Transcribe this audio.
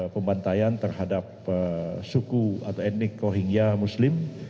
pembantaian terhadap suku atau etnik rohingya muslim